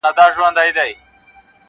او که نه نو عاقبت به یې د خره وي-